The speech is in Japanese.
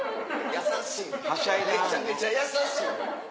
優しいめちゃめちゃ優しい。